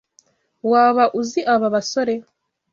Waba uzi aba basore?